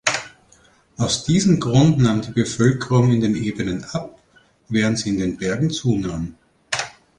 Aus diesem Grund nahm die Bevölkerung in den Ebenen ab, während sie in den Bergen zunahm.